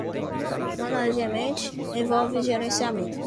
Management envolve gerenciamento.